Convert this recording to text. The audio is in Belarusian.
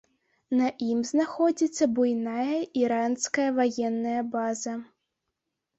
На ім знаходзіцца буйная іранская ваенная база.